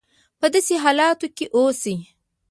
په داسې حالاتو کې اوسي.